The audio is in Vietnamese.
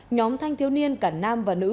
nhóm thanh thiếu niên cả nam và nữ